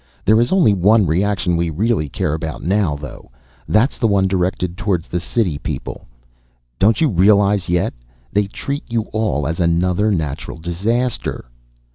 There is only one reaction we really care about now, though. That's the one directed towards the city people. Don't you realize yet they treat you all as another natural disaster!